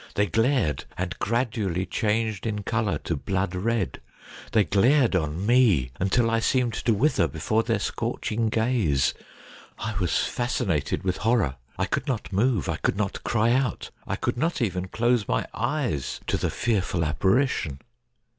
They glared, and gradually changed in colour to blood red. They glared on me, until I seemed to wither before their scorching gaze. I was fascinated with horror. I could not move, I could not cry out, I could not even close my eyes to the fearful apparition.